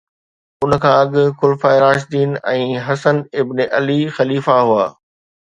ان کان اڳ خلفاء راشدين ۽ حسن ابن علي خليفا هئا